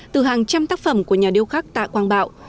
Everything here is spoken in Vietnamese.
từ hàng trăm tác phẩm của nhà điêu khắc tạ quang bảo